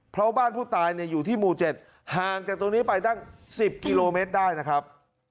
เพราะบ้านผู้ตายอยู่ที่หมู่๗ห่างจากตรงนี้ไปตั้ง๑๐กิโลเมตรได้นะครับ